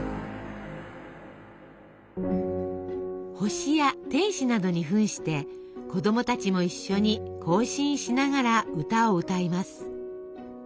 星や天使などにふんして子供たちも一緒に行進しながら歌を歌います。